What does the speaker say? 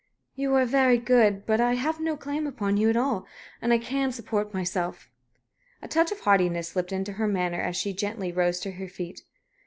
"You are very good. But I have no claim upon you at all. And I can support myself." A touch of haughtiness slipped into her manner as she gently rose to her feet.